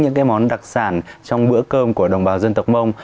những cái món đặc sản trong bữa cơm của đồng bào dân tộc mông